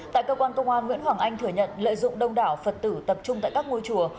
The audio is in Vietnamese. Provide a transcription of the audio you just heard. tại cơ quan công an nguyễn hoàng anh thừa nhận lợi dụng đông đảo phật tử tập trung tại các ngôi chùa